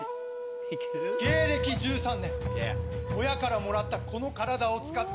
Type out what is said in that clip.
芸歴１３年親からもらったこの体を使った